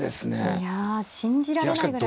いや信じられないぐらい。